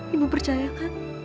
ibu percaya kan